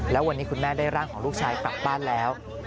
แล้ววันนี้คุณแม่ได้ร่างของลูกชายกลับบ้านแล้ว